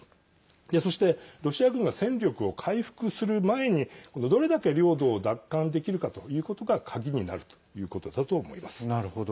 そして、ロシア軍が戦力を回復する前にどれだけ領土を奪還できるかということが鍵になるということだと思います。